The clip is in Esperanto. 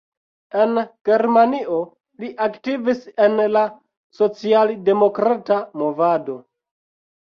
En Germanio li aktivis en la socialdemokrata movado.